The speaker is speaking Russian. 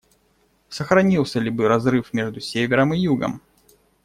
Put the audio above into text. Сохранился ли бы разрыв между Севером и Югом?